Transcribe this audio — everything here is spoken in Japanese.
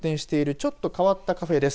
ちょっと変わったカフェです。